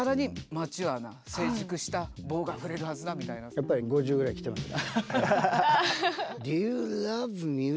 やっぱり５０ぐらいきてますね。